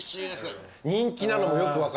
人気なのもよく分かる。